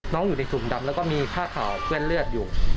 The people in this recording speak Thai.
น้องอยู่ในสุ่มดำแล้วก็มีฆ่าข่าวเว่นเลือดอยู่